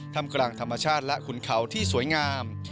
ทำกลางธรรมชาติและขุนเขาที่สวยงาม